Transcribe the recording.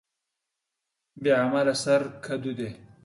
بې عمله سر کډو دى.